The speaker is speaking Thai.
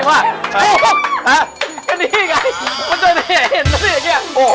มันจะไม่เห็น